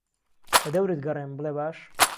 لەدەورت گەڕێم بڵێ باش